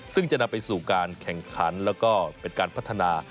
ซึ่งจะนำไปสู่การแข่งขันแล้วก็เป็นการพัฒนา